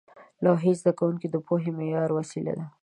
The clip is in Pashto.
لوحې د زده کوونکو د پوهې معیاري وسیله وې.